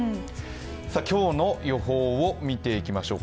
今日の予報を見ていきましょうか。